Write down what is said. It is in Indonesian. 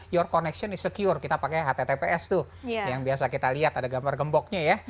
your connection isecure kita pakai https tuh yang biasa kita lihat ada gambar gemboknya ya